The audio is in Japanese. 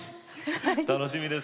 楽しみです。